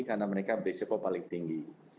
karena mereka berisiko paling tinggi